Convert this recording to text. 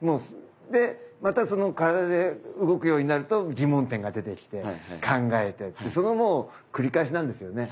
でまたその体で動くようになると疑問点が出てきて考えてってそのもう繰り返しなんですよね。